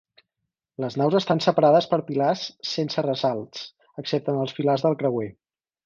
Les naus estan separades per pilars sense ressalts, excepte en els pilars del creuer.